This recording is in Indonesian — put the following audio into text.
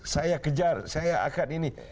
saya kejar saya akan ini